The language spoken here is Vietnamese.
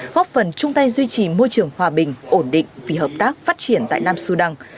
góp phần chung tay duy trì môi trường hòa bình ổn định vì hợp tác phát triển tại nam sudan